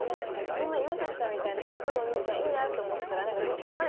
こんな岩崎さんみたいなかっこいいお兄ちゃんいいなって思ってたら途中あれ？